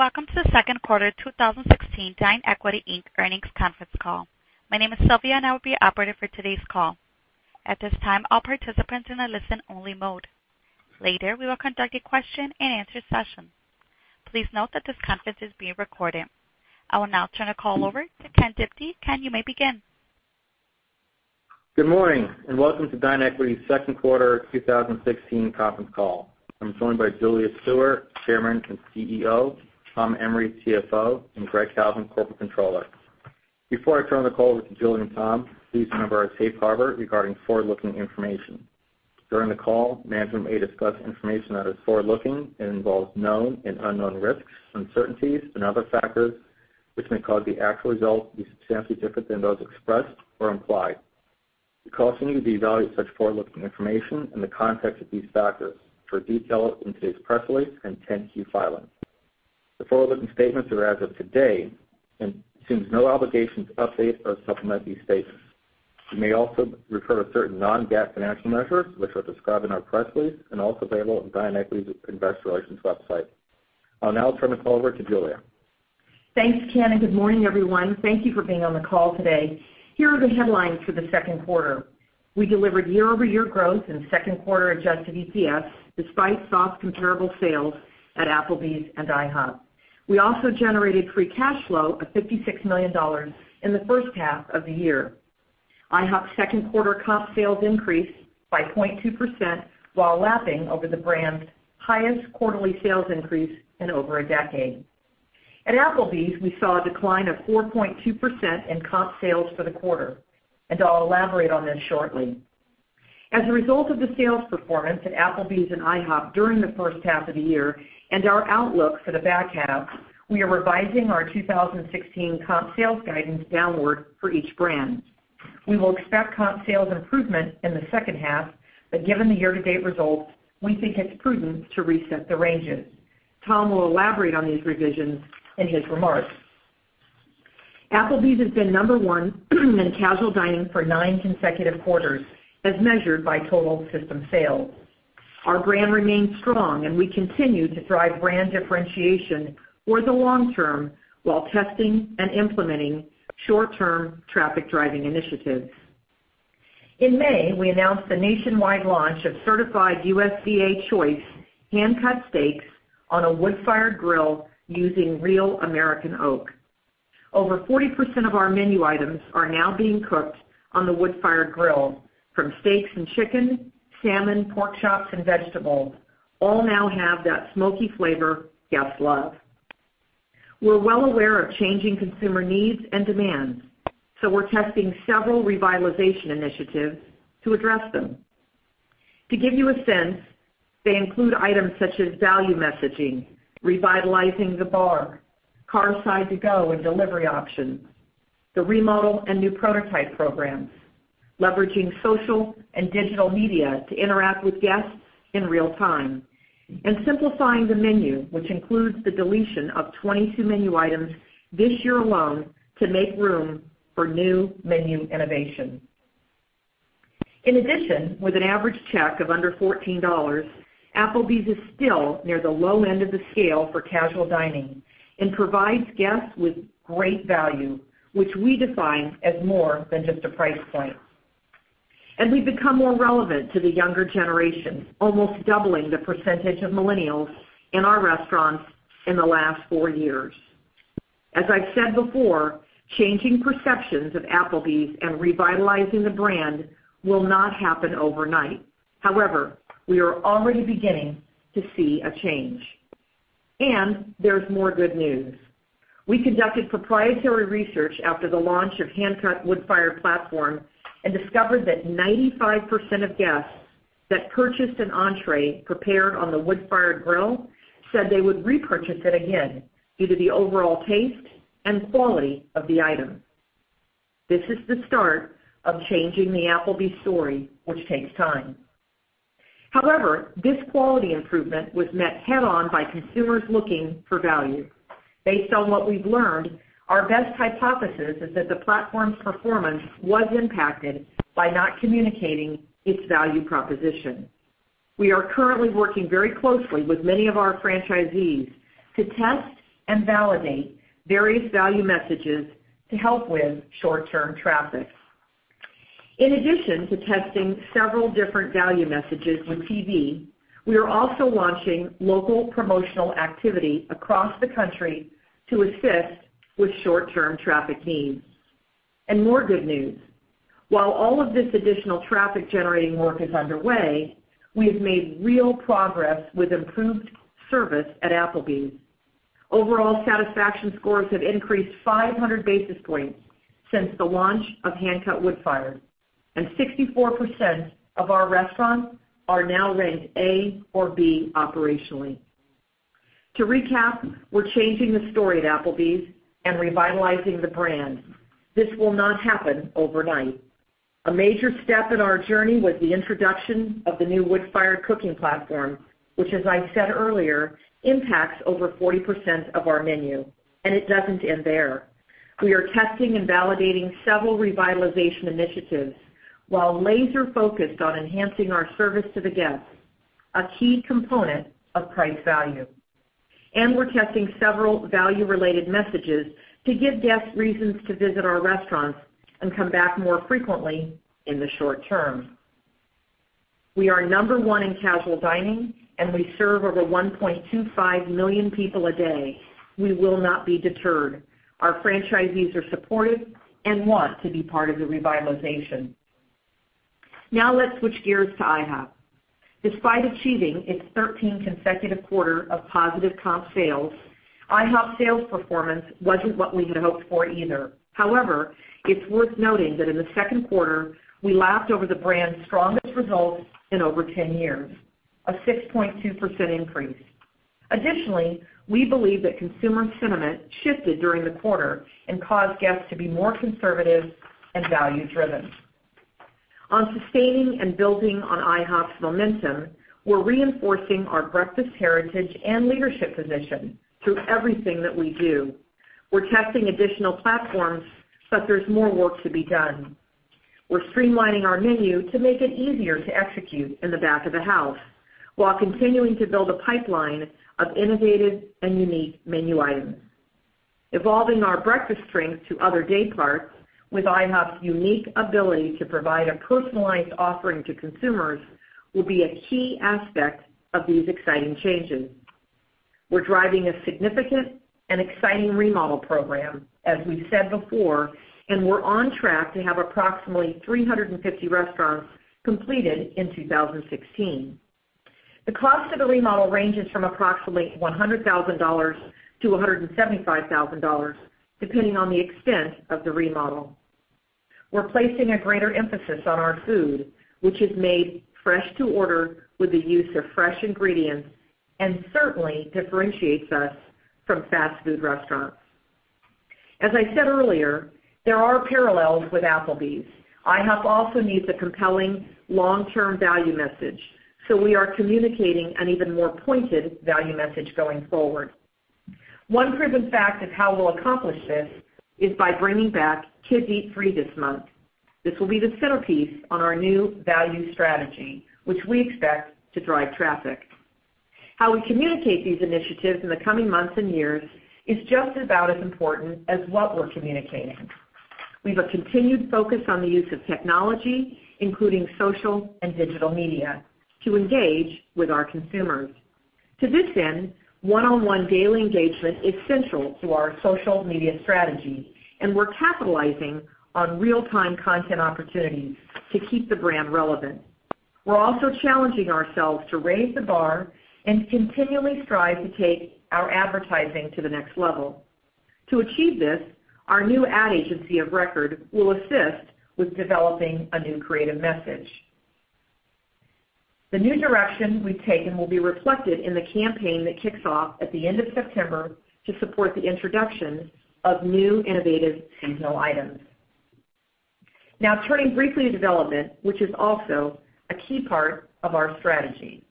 Welcome to the second quarter 2016 DineEquity, Inc. earnings conference call. My name is Sylvia, and I will be your operator for today's call. At this time, all participants are in a listen-only mode. Later, we will conduct a question and answer session. Please note that this conference is being recorded. I will now turn the call over to Ken Diptee. Ken, you may begin. Good morning, welcome to DineEquity's second quarter 2016 conference call. I am joined by Julia Stewart, Chairman and CEO, Tom Emrey, CFO, and Greg Kalvin, Corporate Controller. Before I turn the call over to Julia and Tom, please remember our safe harbor regarding forward-looking information. During the call, management may discuss information that is forward-looking and involves known and unknown risks, uncertainties and other factors which may cause the actual results to be substantially different than those expressed or implied. You are cautioned to evaluate such forward-looking information in the context of these factors for detail in today's press release and 10-Q filing. The forward-looking statements are as of today, assumes no obligation to update or supplement these statements. You may also refer to certain non-GAAP financial measures, which are described in our press release and also available on DineEquity's investor relations website. I will now turn the call over to Julia. Thanks, Ken, good morning, everyone. Thank you for being on the call today. Here are the headlines for the second quarter. We delivered year-over-year growth in second quarter adjusted EPS despite soft comparable sales at Applebee's and IHOP. We also generated free cash flow of $56 million in the first half of the year. IHOP's second quarter comp sales increased by 0.2% while lapping over the brand's highest quarterly sales increase in over a decade. At Applebee's, we saw a decline of 4.2% in comp sales for the quarter. I will elaborate on this shortly. As a result of the sales performance at Applebee's and IHOP during the first half of the year and our outlook for the back half, we are revising our 2016 comp sales guidance downward for each brand. We will expect comp sales improvement in the second half, given the year-to-date results, we think it's prudent to reset the ranges. Tom Emrey will elaborate on these revisions in his remarks. Applebee's has been number one in casual dining for nine consecutive quarters as measured by total system sales. Our brand remains strong. We continue to drive brand differentiation for the long term while testing and implementing short-term traffic-driving initiatives. In May, we announced the nationwide launch of certified USDA Choice hand-cut steaks on a Wood-Fired Grill using real American Oak. Over 40% of our menu items are now being cooked on the Wood-Fired Grill, from steaks and chicken, salmon, pork chops, and vegetables, all now have that smoky flavor guests love. We're well aware of changing consumer needs and demands, we're testing several revitalization initiatives to address them. To give you a sense, they include items such as value messaging, revitalizing the bar, Carside To-Go and delivery options, the remodel and new prototype programs, leveraging social and digital media to interact with guests in real time, and simplifying the menu, which includes the deletion of 22 menu items this year alone to make room for new menu innovation. In addition, with an average check of under $14, Applebee's is still near the low end of the scale for casual dining and provides guests with great value, which we define as more than just a price point. We've become more relevant to the younger generation, almost doubling the percentage of millennials in our restaurants in the last four years. As I've said before, changing perceptions of Applebee's and revitalizing the brand will not happen overnight. However, we are already beginning to see a change. There's more good news. We conducted proprietary research after the launch of Hand-Cut, Wood-Fired platform and discovered that 95% of guests that purchased an entrée prepared on the Wood-Fired Grill said they would repurchase it again due to the overall taste and quality of the item. This is the start of changing the Applebee's story, which takes time. However, this quality improvement was met head-on by consumers looking for value. Based on what we've learned, our best hypothesis is that the platform's performance was impacted by not communicating its value proposition. We are currently working very closely with many of our franchisees to test and validate various value messages to help with short-term traffic. In addition to testing several different value messages with TV, we are also launching local promotional activity across the country to assist with short-term traffic needs. More good news. While all of this additional traffic-generating work is underway, we have made real progress with improved service at Applebee's. Overall satisfaction scores have increased 500 basis points since the launch of Hand-Cut, Wood-Fired, and 64% of our restaurants are now ranked A or B operationally. To recap, we're changing the story at Applebee's and revitalizing the brand. This will not happen overnight. A major step in our journey was the introduction of the new wood-fired cooking platform, which, as I said earlier, impacts over 40% of our menu. It doesn't end there. We are testing and validating several revitalization initiatives while laser-focused on enhancing our service to the guests, a key component of price value. We're testing several value-related messages to give guests reasons to visit our restaurants and come back more frequently in the short term. We are number one in casual dining, we serve over 1.25 million people a day. We will not be deterred. Our franchisees are supportive and want to be part of the revitalization. Now let's switch gears to IHOP. Despite achieving its 13th consecutive quarter of positive comp sales, IHOP sales performance wasn't what we had hoped for either. It's worth noting that in the second quarter, we logged over the brand's strongest results in over 10 years, a 6.2% increase. We believe that consumer sentiment shifted during the quarter and caused guests to be more conservative and value-driven. On sustaining and building on IHOP's momentum, we're reinforcing our breakfast heritage and leadership position through everything that we do. We're testing additional platforms, there's more work to be done. We're streamlining our menu to make it easier to execute in the back of the house, while continuing to build a pipeline of innovative and unique menu items. Evolving our breakfast strength to other day parts with IHOP's unique ability to provide a personalized offering to consumers will be a key aspect of these exciting changes. We're driving a significant and exciting remodel program, as we've said before, we're on track to have approximately 350 restaurants completed in 2016. The cost of the remodel ranges from approximately $100,000 to $175,000, depending on the extent of the remodel. We're placing a greater emphasis on our food, which is made fresh to order with the use of fresh ingredients, certainly differentiates us from fast food restaurants. As I said earlier, there are parallels with Applebee's. IHOP also needs a compelling long-term value message, we are communicating an even more pointed value message going forward. One proven fact of how we'll accomplish this is by bringing back Kids Eat Free this month. This will be the centerpiece on our new value strategy, which we expect to drive traffic. How we communicate these initiatives in the coming months and years is just about as important as what we're communicating. We've a continued focus on the use of technology, including social and digital media, to engage with our consumers. To this end, one-on-one daily engagement is central to our social media strategy, we're capitalizing on real-time content opportunities to keep the brand relevant. We're also challenging ourselves to raise the bar and continually strive to take our advertising to the next level. To achieve this, our new ad agency of record will assist with developing a new creative message. The new direction we've taken will be reflected in the campaign that kicks off at the end of September to support the introduction of new innovative seasonal items. Turning briefly to development, which is also a key part of our strategy.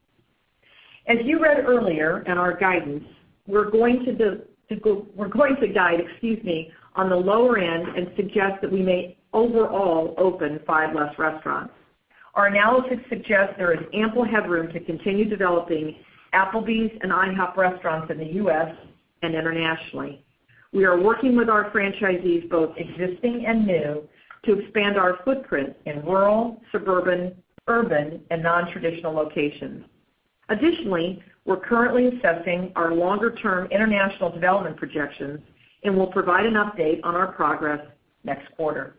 As you read earlier in our guidance, we're going to guide, excuse me, on the lower end and suggest that we may overall open five less restaurants. Our analysis suggests there is ample headroom to continue developing Applebee's and IHOP restaurants in the U.S. and internationally. We are working with our franchisees, both existing and new, to expand our footprint in rural, suburban, urban, and non-traditional locations. We're currently assessing our longer-term international development projections, will provide an update on our progress next quarter.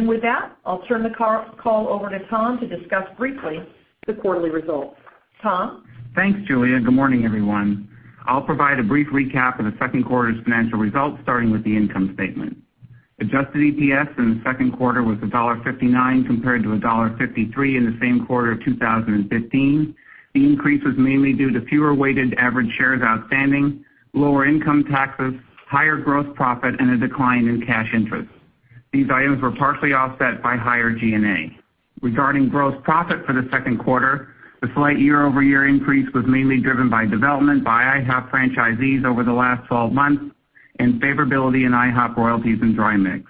With that, I'll turn the call over to Tom to discuss briefly the quarterly results. Tom? Thanks, Julia. Good morning, everyone. I'll provide a brief recap of the second quarter's financial results, starting with the income statement. Adjusted EPS in the second quarter was $1.59 compared to $1.53 in the same quarter of 2015. The increase was mainly due to fewer weighted average shares outstanding, lower income taxes, higher gross profit, and a decline in cash interest. These items were partially offset by higher G&A. Regarding gross profit for the second quarter, the slight year-over-year increase was mainly driven by development by IHOP franchisees over the last 12 months and favorability in IHOP royalties and dry mix.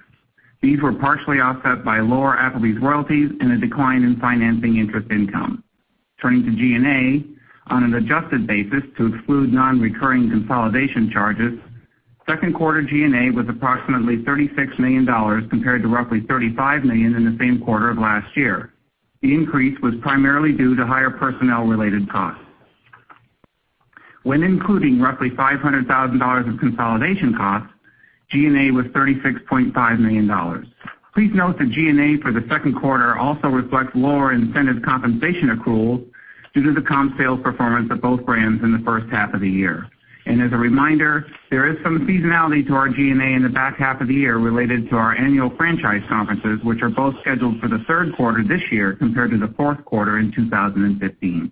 These were partially offset by lower Applebee's royalties and a decline in financing interest income. Turning to G&A, on an adjusted basis to exclude non-recurring consolidation charges, second quarter G&A was approximately $36 million compared to roughly $35 million in the same quarter of last year. The increase was primarily due to higher personnel-related costs. When including roughly $500,000 of consolidation costs, G&A was $36.5 million. Please note that G&A for the second quarter also reflects lower incentive compensation accruals due to the comp sales performance of both brands in the first half of the year. As a reminder, there is some seasonality to our G&A in the back half of the year related to our annual franchise conferences, which are both scheduled for the third quarter this year compared to the fourth quarter in 2015.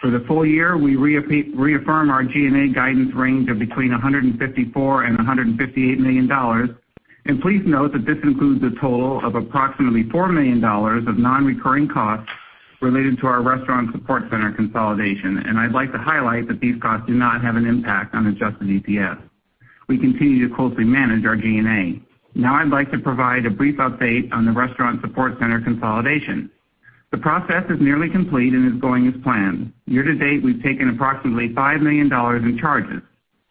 For the full year, we reaffirm our G&A guidance range of between $154 million and $158 million. Please note that this includes a total of approximately $4 million of non-recurring costs related to our restaurant support center consolidation, and I'd like to highlight that these costs do not have an impact on adjusted EPS. We continue to closely manage our G&A. Now I'd like to provide a brief update on the restaurant support center consolidation. The process is nearly complete and is going as planned. Year to date, we've taken approximately $5 million in charges.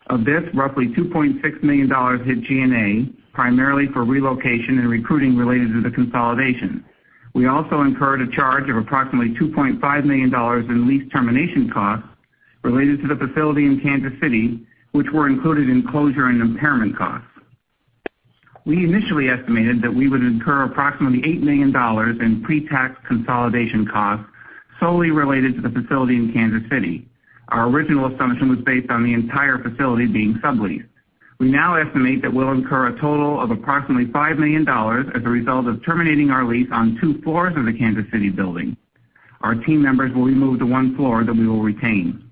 Of this, roughly $2.6 million hit G&A, primarily for relocation and recruiting related to the consolidation. We also incurred a charge of approximately $2.5 million in lease termination costs related to the facility in Kansas City, which were included in closure and impairment costs. We initially estimated that we would incur approximately $8 million in pre-tax consolidation costs solely related to the facility in Kansas City. Our original assumption was based on the entire facility being subleased. We now estimate that we'll incur a total of approximately $5 million as a result of terminating our lease on two floors of the Kansas City building. Our team members will be moved to one floor that we will retain.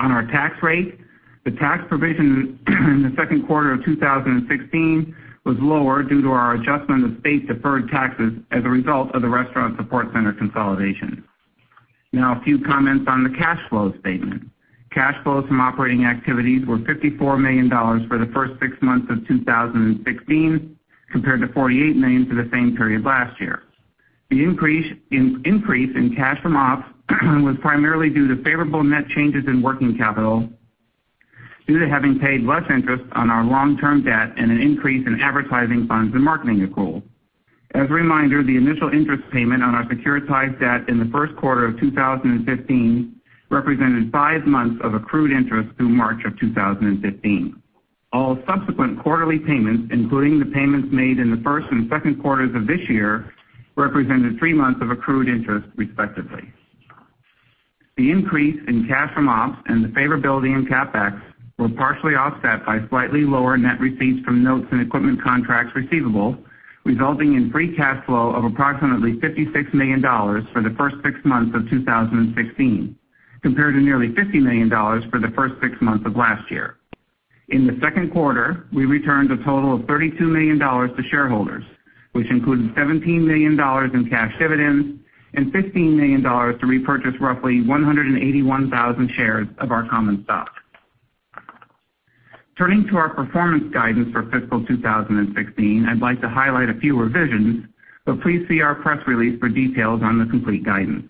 On our tax rate, the tax provision in the second quarter of 2016 was lower due to our adjustment of state deferred taxes as a result of the restaurant support center consolidation. A few comments on the cash flow statement. Cash flows from operating activities were $54 million for the first six months of 2016, compared to $48 million for the same period last year. The increase in cash from ops was primarily due to favorable net changes in working capital due to having paid less interest on our long-term debt and an increase in advertising funds and marketing accrual. As a reminder, the initial interest payment on our securitized debt in the first quarter of 2015 represented five months of accrued interest through March of 2015. All subsequent quarterly payments, including the payments made in the first and second quarters of this year, represented three months of accrued interest, respectively. The increase in cash from ops and the favorability in CapEx were partially offset by slightly lower net receipts from notes and equipment contracts receivable, resulting in free cash flow of approximately $56 million for the first six months of 2016, compared to nearly $50 million for the first six months of last year. In the second quarter, we returned a total of $32 million to shareholders, which included $17 million in cash dividends and $15 million to repurchase roughly 181,000 shares of our common stock. Turning to our performance guidance for fiscal 2016, I'd like to highlight a few revisions, but please see our press release for details on the complete guidance.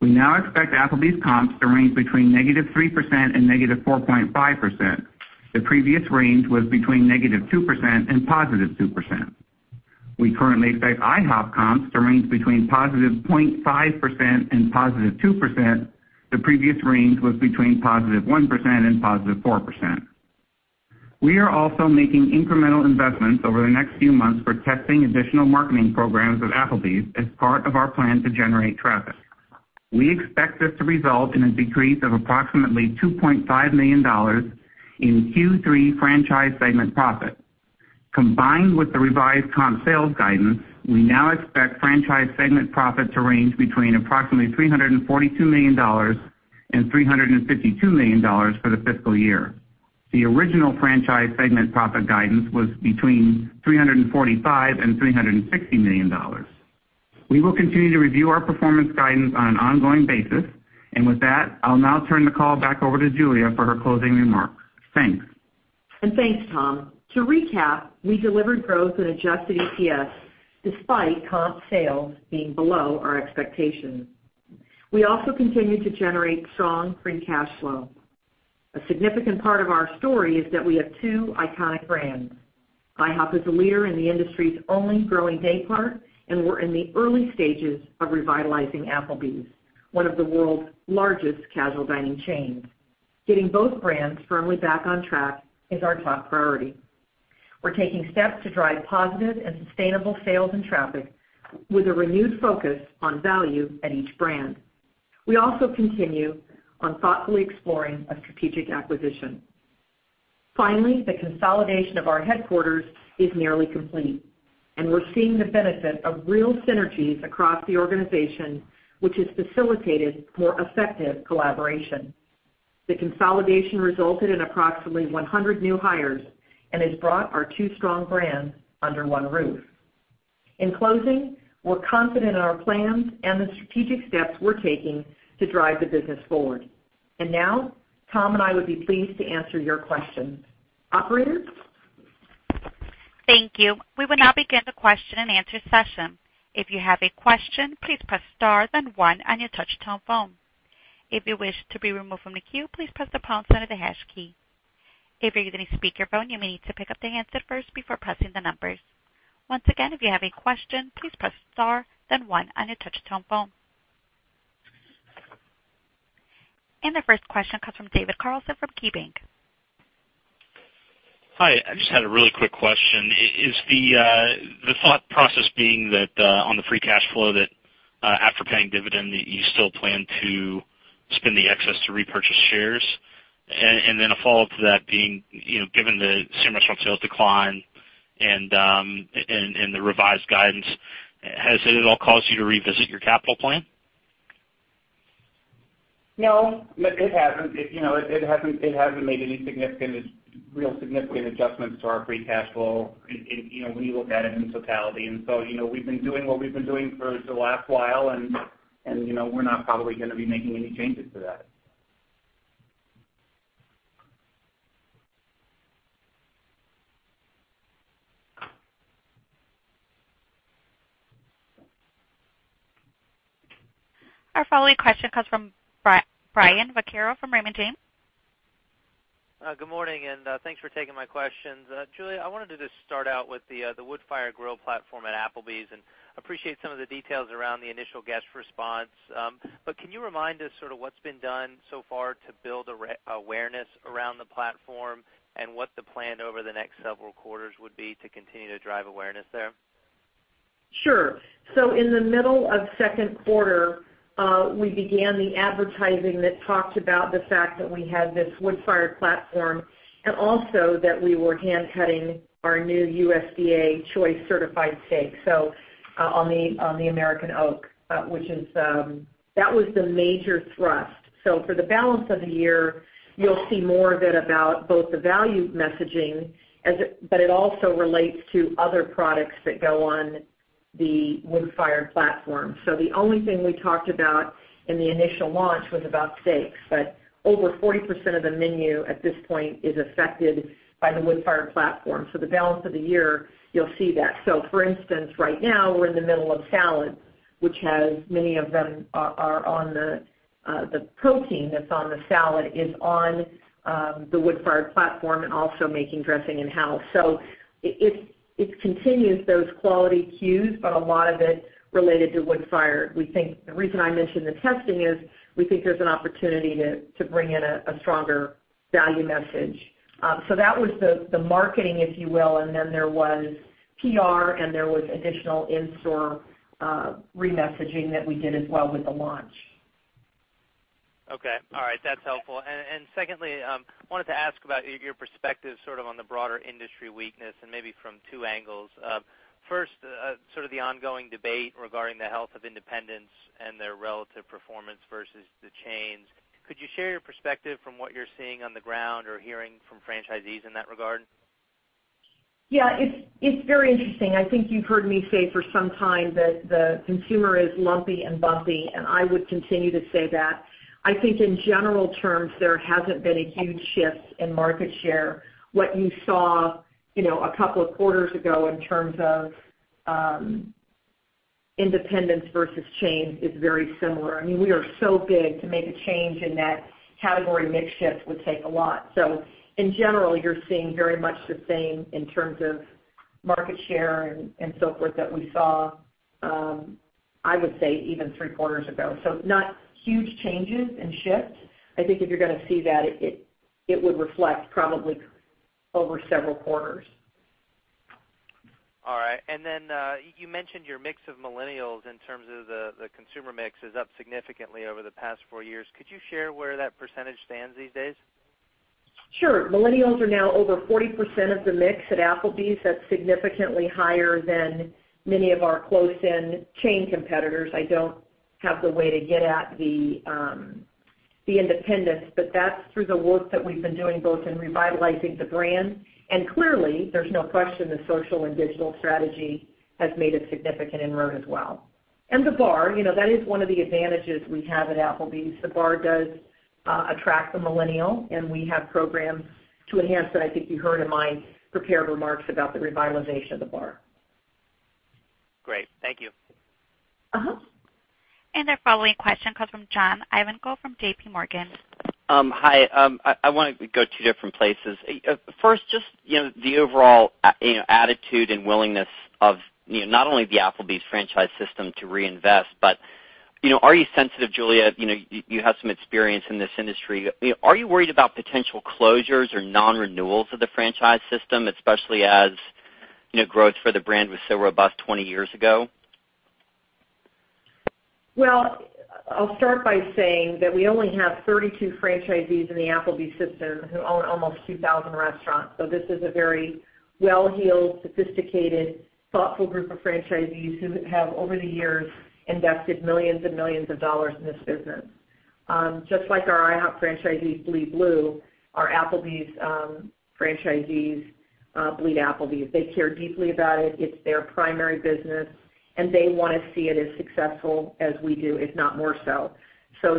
We now expect Applebee's comps to range between negative 3% and negative 4.5%. The previous range was between negative 2% and positive 2%. We currently expect IHOP comps to range between positive 0.5% and positive 2%. The previous range was between positive 1% and positive 4%. We are also making incremental investments over the next few months for testing additional marketing programs with Applebee's as part of our plan to generate traffic. We expect this to result in a decrease of approximately $2.5 million in Q3 franchise segment profit. Combined with the revised comp sales guidance, we now expect franchise segment profit to range between approximately $342 million and $352 million for the fiscal year. The original franchise segment profit guidance was between $345 million and $360 million. We will continue to review our performance guidance on an ongoing basis. With that, I'll now turn the call back over to Julia for her closing remarks. Thanks. Thanks, Tom. To recap, we delivered growth in adjusted EPS despite comp sales being below our expectations. We also continue to generate strong free cash flow. A significant part of our story is that we have two iconic brands. IHOP is a leader in the industry's only growing day part, and we're in the early stages of revitalizing Applebee's, one of the world's largest casual dining chains. Getting both brands firmly back on track is our top priority. We're taking steps to drive positive and sustainable sales and traffic with a renewed focus on value at each brand. We also continue on thoughtfully exploring a strategic acquisition. Finally, the consolidation of our headquarters is nearly complete, and we're seeing the benefit of real synergies across the organization, which has facilitated more effective collaboration. The consolidation resulted in approximately 100 new hires and has brought our two strong brands under one roof. In closing, we're confident in our plans and the strategic steps we're taking to drive the business forward. Now, Tom and I would be pleased to answer your questions. Operator? Thank you. We will now begin the question and answer session. If you have a question, please press star then one on your touch tone phone. If you wish to be removed from the queue, please press the pound sign or the hash key. If you're using a speakerphone, you may need to pick up the handset first before pressing the numbers. Once again, if you have a question, please press star then one on your touch tone phone. The first question comes from David Carlson from KeyBanc. Hi, I just had a really quick question. Is the thought process being that on the free cash flow that after paying dividend, that you still plan to spend the excess to repurchase shares? Then a follow-up to that being, given the same restaurant sales decline and the revised guidance, has it at all caused you to revisit your capital plan? No, it hasn't. It hasn't made any real significant adjustments to our free cash flow when you look at it in totality. We've been doing what we've been doing for the last while, and we're not probably going to be making any changes to that. Our following question comes from Brian Vaccaro from Raymond James. Good morning, thanks for taking my questions. Julia, I wanted to just start out with the Wood-Fired Grill platform at Applebee's, appreciate some of the details around the initial guest response. Can you remind us sort of what's been done so far to build awareness around the platform and what the plan over the next several quarters would be to continue to drive awareness there? Sure. In the middle of second quarter, we began the advertising that talked about the fact that we had this wood-fired platform and also that we were hand-cutting our new USDA Choice certified steak on the American Oak. That was the major thrust. For the balance of the year, you'll see more of it about both the value messaging, it also relates to other products that go on the wood-fired platform. The only thing we talked about in the initial launch was about steaks, over 40% of the menu at this point is affected by the wood-fired platform. The balance of the year, you'll see that. For instance, right now we're in the middle of salads, which many of them, the protein that's on the salad is on the wood-fired platform and also making dressing in-house. It continues those quality cues, a lot of it related to wood-fire. The reason I mention the testing is we think there's an opportunity to bring in a stronger value message. That was the marketing, if you will, and then there was PR and there was additional in-store re-messaging that we did as well with the launch. Okay. All right. That's helpful. Secondly, wanted to ask about your perspective sort of on the broader industry weakness and maybe from two angles. First, sort of the ongoing debate regarding the health of independents and their relative performance versus the chains. Could you share your perspective from what you're seeing on the ground or hearing from franchisees in that regard? Yeah, it's very interesting. I think you've heard me say for some time that the consumer is lumpy and bumpy, and I would continue to say that. I think in general terms, there hasn't been a huge shift in market share. What you saw a couple of quarters ago in terms of independents versus chains is very similar. We are so big, to make a change in that category mix shift would take a lot. In general, you're seeing very much the same in terms of market share and so forth that we saw, I would say even three quarters ago. Not huge changes and shifts. I think if you're going to see that, it would reflect probably over several quarters. All right. You mentioned your mix of millennials in terms of the consumer mix is up significantly over the past four years. Could you share where that percentage stands these days? Sure. Millennials are now over 40% of the mix at Applebee's. That's significantly higher than many of our close-in chain competitors. I don't have the way to get at the independents, but that's through the work that we've been doing both in revitalizing the brand, and clearly, there's no question the social and digital strategy has made a significant inroad as well. The bar, that is one of the advantages we have at Applebee's. The bar does attract the millennial, and we have programs to enhance that. I think you heard in my prepared remarks about the revitalization of the bar. Great. Thank you. Our following question comes from John Ivankoe from JPMorgan. Hi. I wanted to go two different places. First, just the overall attitude and willingness of not only the Applebee's franchise system to reinvest. Are you sensitive, Julia, you have some experience in this industry, are you worried about potential closures or non-renewals of the franchise system, especially as growth for the brand was so robust 20 years ago? Well, I'll start by saying that we only have 32 franchisees in the Applebee's system who own almost 2,000 restaurants. This is a very well-heeled, sophisticated, thoughtful group of franchisees who have, over the years, invested millions and millions of dollars in this business. Just like our IHOP franchisees bleed blue, our Applebee's franchisees bleed Applebee's. They care deeply about it. It's their primary business, and they want to see it as successful as we do, if not more so.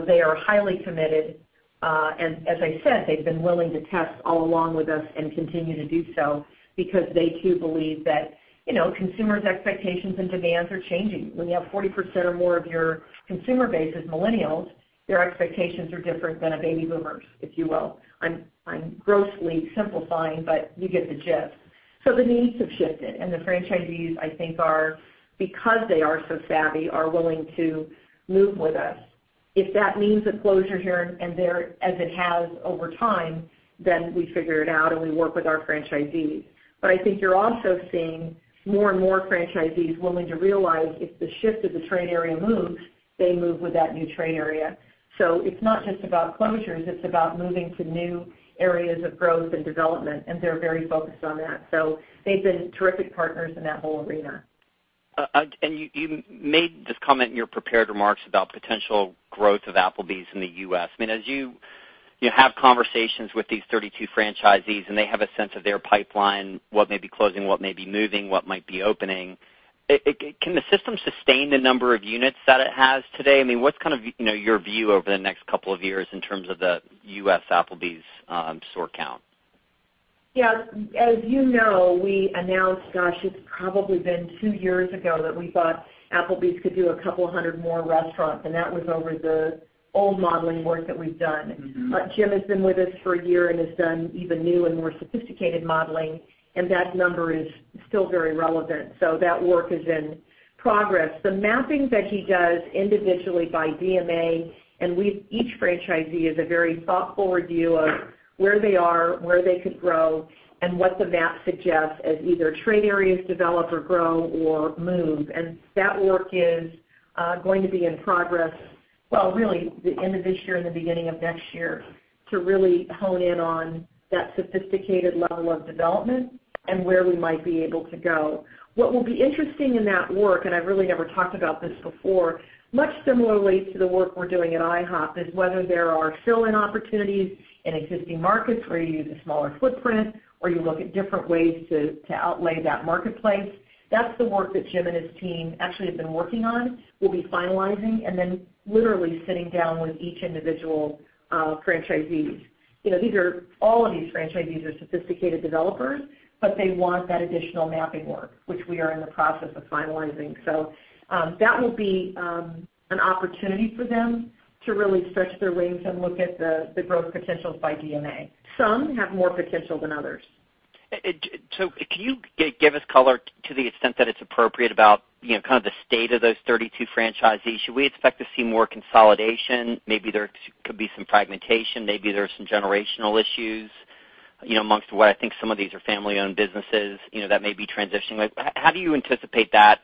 They are highly committed. As I said, they've been willing to test all along with us and continue to do so because they too believe that consumers' expectations and demands are changing. When you have 40% or more of your consumer base as millennials, their expectations are different than a baby boomer's, if you will. I'm grossly simplifying, but you get the gist. The needs have shifted, the franchisees, I think, because they are so savvy, are willing to move with us. If that means a closure here and there, as it has over time, we figure it out and we work with our franchisees. I think you're also seeing more and more franchisees willing to realize if the shift of the trade area moves, they move with that new trade area. It's not just about closures, it's about moving to new areas of growth and development, and they're very focused on that. They've been terrific partners in that whole arena. You made this comment in your prepared remarks about potential growth of Applebee's in the U.S. As you have conversations with these 32 franchisees and they have a sense of their pipeline, what may be closing, what may be moving, what might be opening, can the system sustain the number of units that it has today? What's kind of your view over the next couple of years in terms of the U.S. Applebee's store count? As you know, we announced, gosh, it's probably been two years ago that we thought Applebee's could do a couple hundred more restaurants, and that was over the old modeling work that we've done. Jim has been with us for a year and has done even new and more sophisticated modeling, and that number is still very relevant. That work is in progress. The mapping that he does individually by DMA, and with each franchisee is a very thoughtful review of where they are, where they could grow, and what the map suggests as either trade areas develop or grow or move. That work is going to be in progress, well, really, the end of this year and the beginning of next year, to really hone in on that sophisticated level of development and where we might be able to go. What will be interesting in that work, I've really never talked about this before, much similarly to the work we're doing at IHOP, is whether there are fill-in opportunities in existing markets where you use a smaller footprint or you look at different ways to outlay that marketplace. That's the work that Jim and his team actually have been working on. We'll be finalizing and then literally sitting down with each individual franchisee. All of these franchisees are sophisticated developers, but they want that additional mapping work, which we are in the process of finalizing. That will be an opportunity for them to really stretch their wings and look at the growth potentials by DMA. Some have more potential than others. Can you give us color to the extent that it's appropriate about kind of the state of those 32 franchisees? Should we expect to see more consolidation? Maybe there could be some fragmentation, maybe there are some generational issues amongst what I think some of these are family-owned businesses that may be transitioning. How do you anticipate that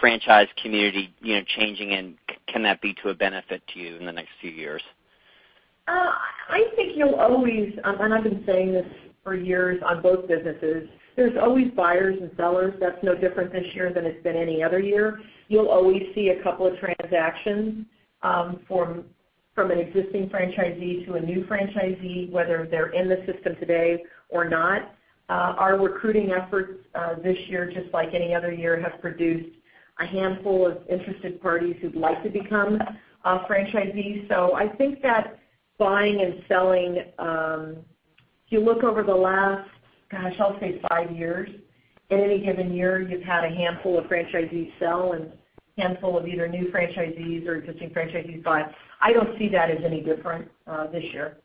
franchise community changing, and can that be to a benefit to you in the next few years? I think you'll always, I've been saying this for years on both businesses, there's always buyers and sellers. That's no different this year than it's been any other year. You'll always see a couple of transactions from an existing franchisee to a new franchisee, whether they're in the system today or not. Our recruiting efforts this year, just like any other year, have produced a handful of interested parties who'd like to become a franchisee. I think that buying and selling, if you look over the last, gosh, I'll say five years, in any given year, you've had a handful of franchisees sell and handful of either new franchisees or existing franchisees buy. I don't see that as any different this year.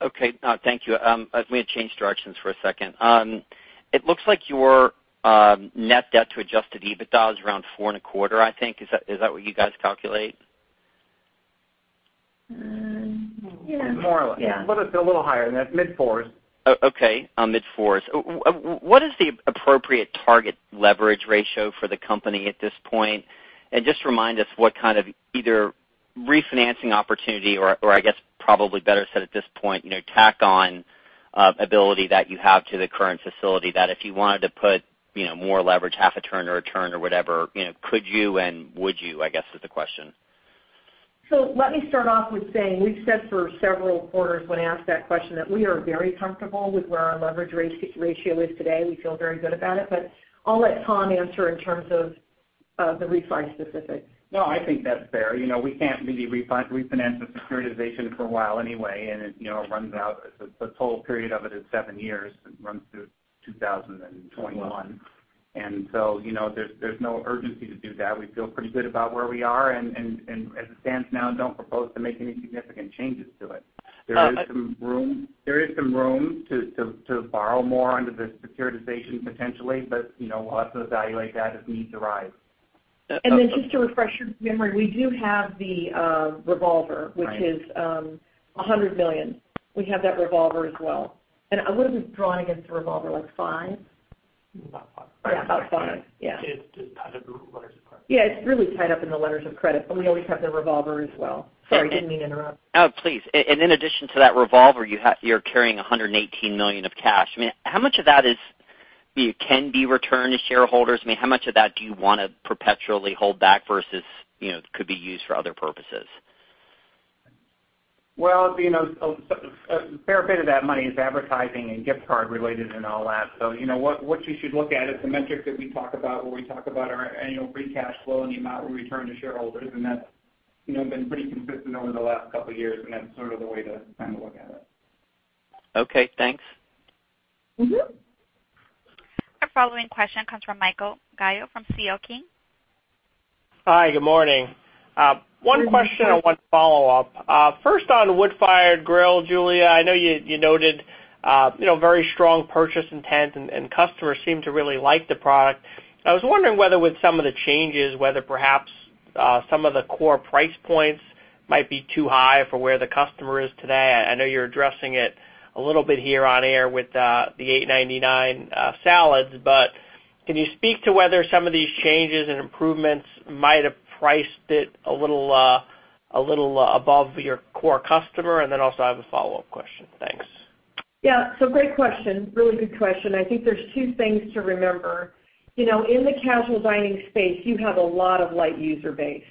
Okay. Thank you. Let me change directions for a second. It looks like your net debt to adjusted EBITDA is around four and a quarter, I think. Is that what you guys calculate? Yes. More or less. Yeah. A little higher than that. Mid-fours. Okay. Mid-fours. What is the appropriate target leverage ratio for the company at this point? Just remind us what kind of either refinancing opportunity or, I guess probably better said at this point, tack-on ability that you have to the current facility, that if you wanted to put more leverage, half a turn or a turn or whatever, could you and would you, I guess is the question. Let me start off with saying, we've said for several quarters when asked that question, that we are very comfortable with where our leverage ratio is today. We feel very good about it, but I'll let Tom answer in terms of the refi specifics. No, I think that's fair. We can't really refinance the securitization for a while anyway, it runs out, the total period of it is 7 years. It runs through 2021. There's no urgency to do that. We feel pretty good about where we are, and as it stands now, don't propose to make any significant changes to it. There is some room to borrow more under the securitization, potentially. We'll also evaluate that as needs arise. And then just to refresh your memory, we do have the revolver, which is $100 million. We have that revolver as well. And what was drawn against the revolver? Like five? Yeah, about five. Yeah. Yeah, about five. Yeah. It's tied up in the letters of credit. Yeah, it's really tied up in the letters of credit, but we always have the revolver as well. Sorry, I didn't mean to interrupt. Oh, please. In addition to that revolver, you're carrying $118 million of cash. How much of that can be returned to shareholders? How much of that do you want to perpetually hold back versus could be used for other purposes? Well, a fair bit of that money is advertising and gift card related and all that. What you should look at is the metric that we talk about when we talk about our annual free cash flow and the amount we return to shareholders, and that's been pretty consistent over the last couple of years, and that's sort of the way to kind of look at it. Okay, thanks. Our following question comes from Michael Gallo from C.L. King. Hi, good morning. Good morning. One question and one follow-up. First on Wood-Fired Grill, Julia, I know you noted very strong purchase intent, and customers seem to really like the product. I was wondering whether with some of the changes, whether perhaps some of the core price points might be too high for where the customer is today. I know you're addressing it a little bit here on air with the $8.99 salads, can you speak to whether some of these changes and improvements might have priced it a little above your core customer? Also, I have a follow-up question. Thanks. Yeah. Great question. Really good question. I think there's two things to remember. In the casual dining space, you have a lot of light user base.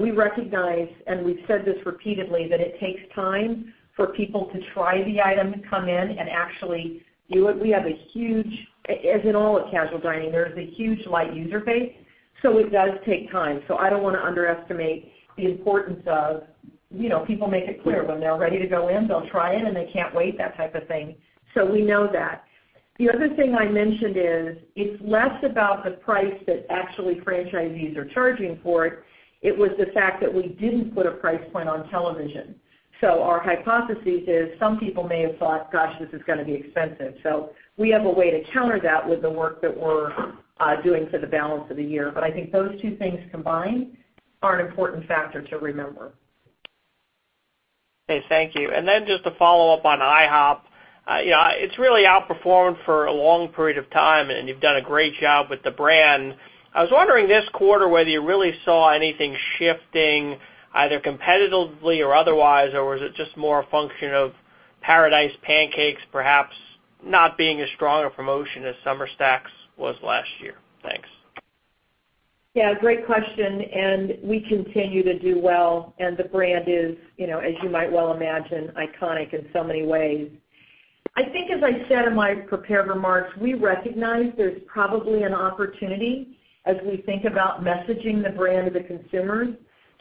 We recognize, and we've said this repeatedly, that it takes time for people to try the item, come in and actually do it. As in all of casual dining, there is a huge light user base, it does take time. I don't want to underestimate the importance of people making clear when they're ready to go in, they'll try it, and they can't wait, that type of thing. We know that. The other thing I mentioned is, it's less about the price that actually franchisees are charging for it. It was the fact that we didn't put a price point on television. Our hypothesis is some people may have thought, "Gosh, this is going to be expensive." We have a way to counter that with the work that we're doing for the balance of the year. I think those two things combined are an important factor to remember. Okay, thank you. Just to follow up on IHOP. It's really outperformed for a long period of time, and you've done a great job with the brand. I was wondering this quarter whether you really saw anything shifting, either competitively or otherwise, or was it just more a function of Paradise Pancakes perhaps not being as strong a promotion as Summer Stacks was last year? Thanks. Yeah. Great question. We continue to do well. The brand is, as you might well imagine, iconic in so many ways. I think as I said in my prepared remarks, we recognize there's probably an opportunity as we think about messaging the brand to consumers,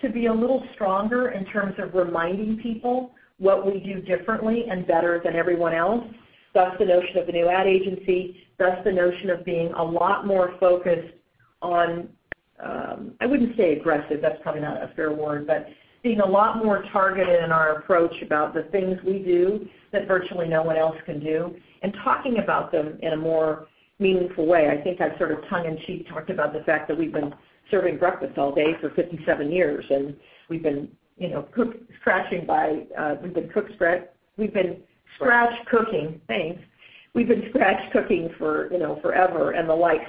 to be a little stronger in terms of reminding people what we do differently and better than everyone else. Thus the notion of the new ad agency, thus the notion of being a lot more focused on, I wouldn't say aggressive, that's probably not a fair word, but being a lot more targeted in our approach about the things we do that virtually no one else can do, and talking about them in a more meaningful way. I think I've sort of tongue in cheek talked about the fact that we've been serving breakfast all day for 57 years, and we've been scratch cooking for forever and the like.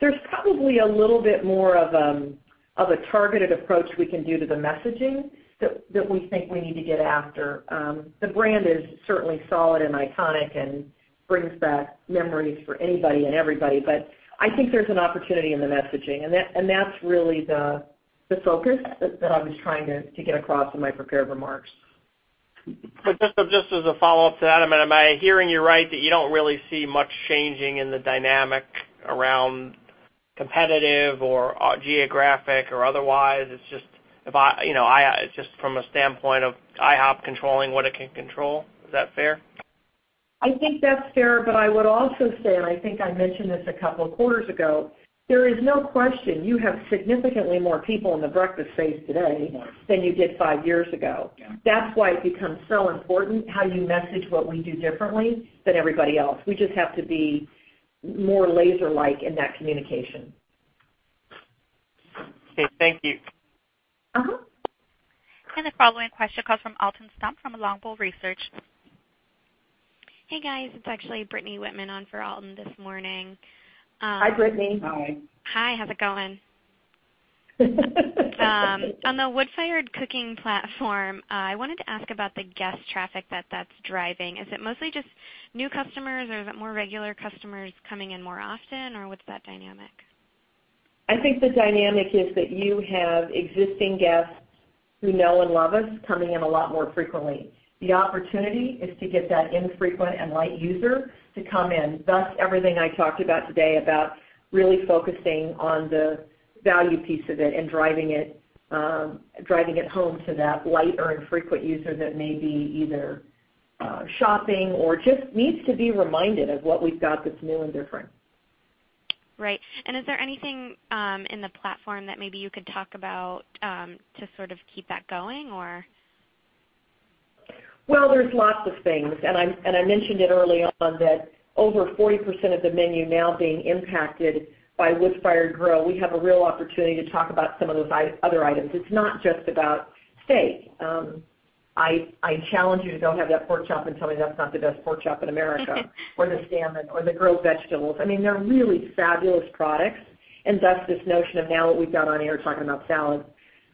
There's probably a little bit more of a targeted approach we can do to the messaging that we think we need to get after. The brand is certainly solid and iconic and brings back memories for anybody and everybody. I think there's an opportunity in the messaging, and that's really the focus that I was trying to get across in my prepared remarks. Just as a follow-up to that, am I hearing you right that you don't really see much changing in the dynamic around competitive or geographic or otherwise? It's just from a standpoint of IHOP controlling what it can control. Is that fair? I think that's fair, I would also say, and I think I mentioned this a couple of quarters ago, there is no question, you have significantly more people in the breakfast space today than you did five years ago. Yeah. That's why it becomes so important how you message what we do differently than everybody else. We just have to be more laser-like in that communication. Okay, thank you. The following question comes from Alton Stump from Longbow Research. Hey, guys. It's actually Brittany Whitman on for Alton this morning. Hi, Brittany. Hi. Hi. How's it going? On the wood-fired cooking platform, I wanted to ask about the guest traffic that's driving. Is it mostly just new customers, or is it more regular customers coming in more often, or what's that dynamic? I think the dynamic is that you have existing guests who know and love us coming in a lot more frequently. The opportunity is to get that infrequent and light user to come in. Thus, everything I talked about today about really focusing on the value piece of it and driving it home to that light or infrequent user that may be either shopping or just needs to be reminded of what we've got that's new and different. Is there anything in the platform that maybe you could talk about to sort of keep that going? Well, there's lots of things. I mentioned it early on that over 40% of the menu now being impacted by Wood-Fired Grill, we have a real opportunity to talk about some of those other items. It's not just about steak. I challenge you to go have that pork chop and tell me that's not the best pork chop in America. The salmon or the grilled vegetables. They're really fabulous products, thus this notion of now what we've got on air talking about salads.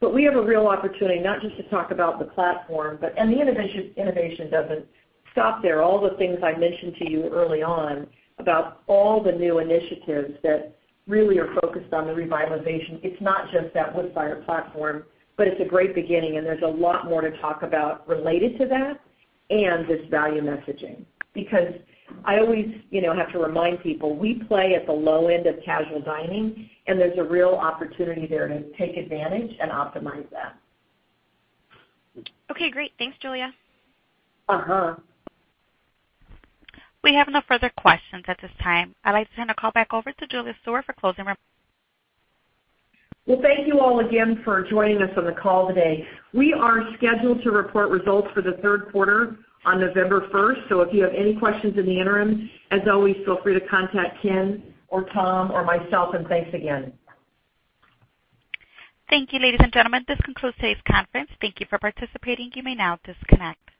We have a real opportunity not just to talk about the platform, the innovation doesn't stop there. All the things I mentioned to you early on about all the new initiatives that really are focused on the revitalization, it's not just that Wood-Fired platform, it's a great beginning. There's a lot more to talk about related to that and this value messaging. I always have to remind people, we play at the low end of casual dining. There's a real opportunity there to take advantage and optimize that. Okay, great. Thanks, Julia. We have no further questions at this time. I'd like to turn the call back over to Julia Stewart for closing remarks. Well, thank you all again for joining us on the call today. We are scheduled to report results for the third quarter on November 1st. If you have any questions in the interim, as always, feel free to contact Ken or Tom or myself, thanks again. Thank you, ladies and gentlemen. This concludes today's conference. Thank you for participating. You may now disconnect.